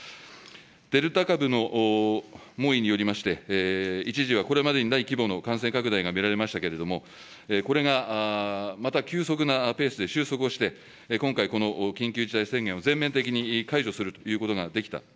デルタ株の猛威によりまして、一時はこれまでにない規模の感染拡大が見られましたけれども、これがまた急速なペースで収束をして、今回、この緊急事態宣言を全面的に解除するということができた。